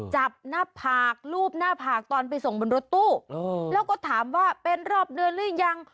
จับหน้าผากรูปหน้าผากตอนไปส่งบนรถตู้แล้วก็ถามว่าเป็นรอบเดือนหรือยัง